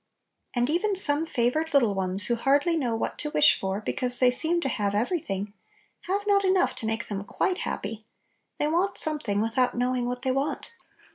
And even some favored little ones who hardly know what to wish for, because they seem to have every thing, have not enough to make them quite happy; they want something, without knowing what they want.